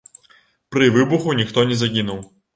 Пры выбуху ніхто не загінуў.